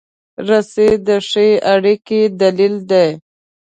رسۍ د ښې اړیکې دلیل دی.